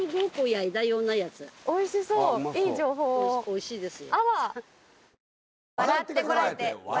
おいしいですよ。